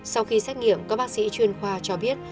sau khi xét nghiệm các bác sĩ chuyên khoa cho biết